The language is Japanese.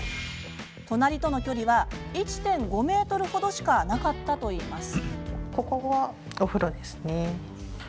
隣との距離は１．５ｍ程しかなかったといいます。